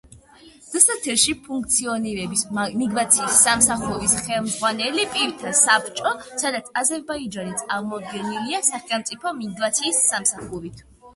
დსთ-ში ფუნქციონირებს მიგრაციის სამსახურის ხელმძღვანელ პირთა საბჭო, სადაც აზერბაიჯანი წარმოდგენილია სახელმწიფო მიგრაციის სამსახურით.